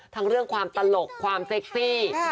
เรื่องความตลกความเซ็กซี่